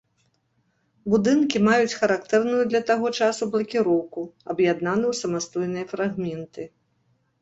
Будынкі маюць характэрную для таго часу блакіроўку, аб'яднаны ў самастойныя фрагменты.